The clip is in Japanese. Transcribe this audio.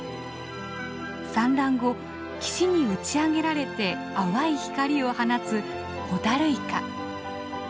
産卵後岸に打ち上げられて淡い光を放つホタルイカ。